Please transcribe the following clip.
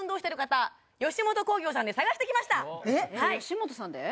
吉本さんで？